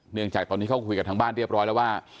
เนื่องจากตอนนี้เขาคุยกับทางบ้านเรียบร้อยแล้วว่า